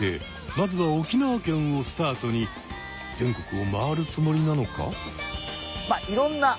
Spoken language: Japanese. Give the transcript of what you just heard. まずは沖縄県をスタートに全国を回るつもりなのか？